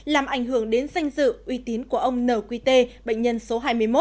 làm ảnh hưởng đến danh dự uy tín của ông n q t bệnh nhân số hai mươi một